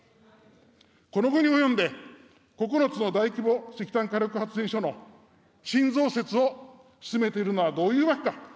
この期に及んで、９つの大規模石炭火力発電所の新増設を進めているのはどういうわけか。